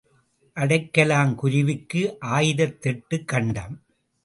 அடைக்கலாங் குருவிக்கு ஆயிரத் தெட்டுக் கண்டம்.